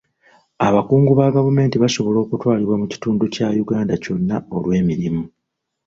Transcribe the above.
Abakungu ba gavumenti basobola okutwalibwa mu kitundu kya Uganda kyonna olw'emirimu.